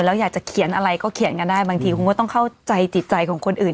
แล้วอยากจะเขียนอะไรก็เขียนกันได้บางทีคุณก็ต้องเข้าใจจิตใจของคนอื่น